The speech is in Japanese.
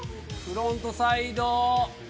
フロントサイド。